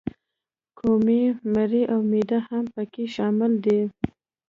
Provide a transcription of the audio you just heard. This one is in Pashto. کومي، مرۍ او معده هم پکې شامل دي.